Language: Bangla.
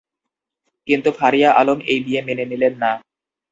কিন্তু ফারিয়া আলম এই বিয়ে মেনে নিলেন না।